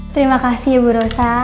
terima kasih ya bu rosa